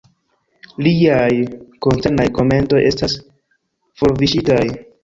Liaj koncernaj komentoj estas forviŝitaj.